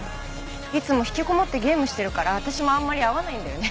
いつも引きこもってゲームしてるから私もあんまり会わないんだよね。